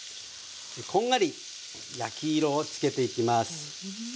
こんがり焼き色をつけていきます。